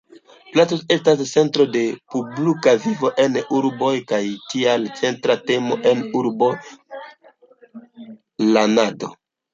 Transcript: Placoj estas centroj de publika vivo en urboj kaj tial centra temo en urboplanado.